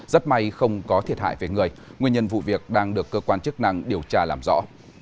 rất may không có thiệt hại về người nguyên nhân vụ việc đang được cơ quan chức năng điều tra làm rõ